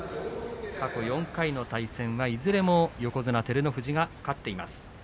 過去４回の対戦はいずれも横綱照ノ富士が勝っています。